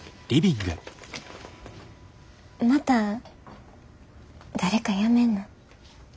また誰か辞めんの？